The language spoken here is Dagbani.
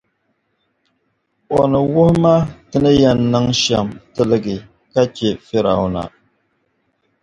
O ni wuhi ma ti ni yεn niŋ shεm tilgi ka chε Fir’auna.